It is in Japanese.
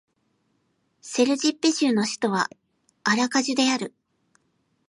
セルジッペ州の州都はアラカジュである